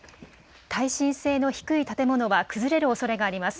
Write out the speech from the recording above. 耐震性の低い建物は崩れるおそれがあります。